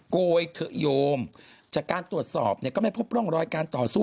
โกยเถอะโยมจากการตรวจสอบเนี่ยก็ไม่พบร่องรอยการต่อสู้